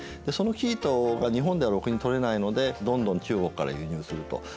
でその生糸が日本ではろくにとれないのでどんどん中国から輸入すると。